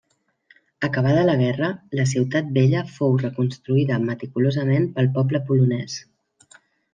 Acabada la guerra, la ciutat vella fou reconstruïda meticulosament pel poble polonés.